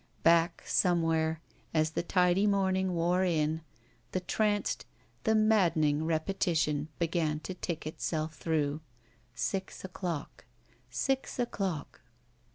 Back somewhere, as the tidy morning wore in, the tranced, the maddening repetition began to tick itself through : "Six o'clock. Six o'clock."